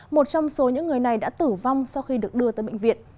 một trong số những người này đã tử vong sau khi được đưa tới bệnh viện